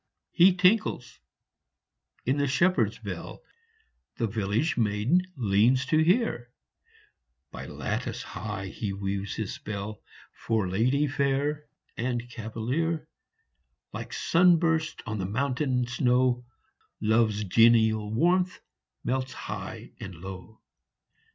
He tinkles in the shepherd s bell The village maiden leans to hear By lattice high he weaves his spell, For lady fair and cavalier : Like sun bursts on the mountain snow, Love s genial warmth melts high and low.